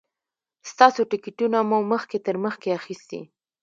ستاسو ټکټونه مو مخکې تر مخکې اخیستي.